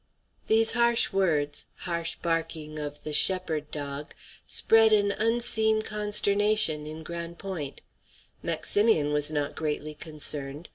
These harsh words harsh barking of the shepherd dog spread an unseen consternation in Grande Pointe. Maximian was not greatly concerned.